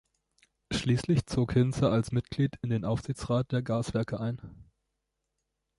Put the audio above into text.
Schließlich zog Hinze als Mitglied in den Aufsichtsrat der Gaswerke ein.